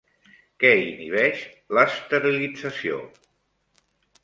Què inhibeix l'esterilització?